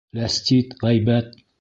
Ләстит, ғәйбәт